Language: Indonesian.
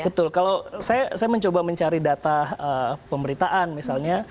betul kalau saya mencoba mencari data pemberitaan misalnya